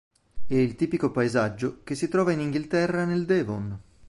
È il tipico paesaggio che si trova in Inghilterra nel Devon.